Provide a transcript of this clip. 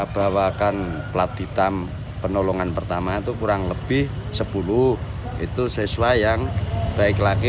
bawakan plat hitam penolongan pertama itu kurang lebih sepuluh itu siswa yang baik lagi